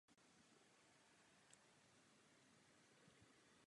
Později spolupráci ukončili a bratr se dále věnoval vedení autosalonu firmy Mitsubishi.